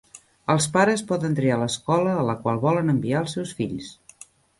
Els pares poden triar l'escola a la qual volen enviar els seus fills.